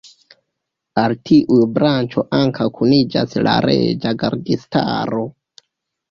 Al tiuj branĉo ankaŭ kuniĝas la Reĝa Gardistaro.